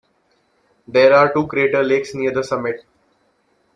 There are two crater lakes near the summit.